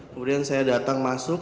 kemudian saya datang masuk